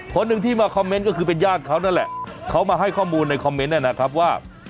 คนหนึ่งที่มาคอมเมนต์ก็คือเป็นญาติเขานั่นแหละเขามาให้ข้อมูลในคอมเมนต์นะครับว่า